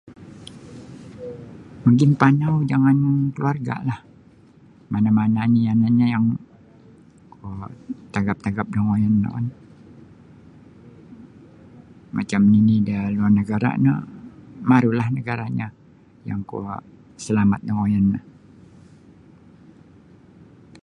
Magimpanau jangan keluargalah mana-mana ni yanan nyo yang um tagap-tagap da ngoyon no kan macam nini da luar nagara no maru lah nagaranyo yang kui salamat da ngoyon no.